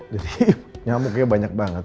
jadi nyamuknya banyak banget